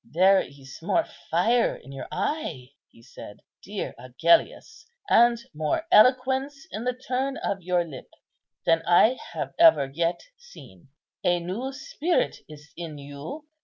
"There is more fire in your eye," he said, "dear Agellius, and more eloquence in the turn of your lip, than I have ever yet seen. A new spirit is in you.